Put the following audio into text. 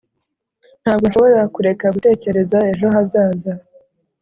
ntabwo nshobora kureka gutekereza ejo hazaza